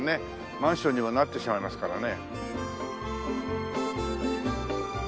マンションにはなってしまいますからね。